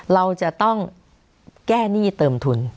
เราจะต้องแก้หนี้เติมทุน